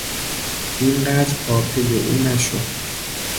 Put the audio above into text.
این قدر پاپی او نشو!